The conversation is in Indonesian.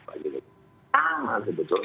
paham hal itu betul